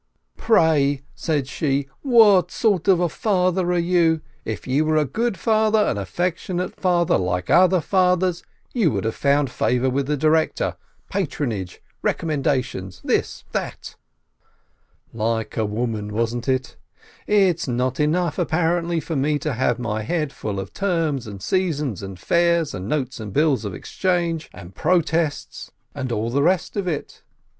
"Pray," said she, "what sort of a father are you? If you were a good father, an affectionate father, like other fathers, you would have found favor with the director, patronage, recommendations, this — that !" Like a woman, wasn't it? It's not enough, apparently, for me to have my head full of terms and seasons and fairs and notes and bills of exchange and "protests" and all GYMNASIYE 169 the rest of it.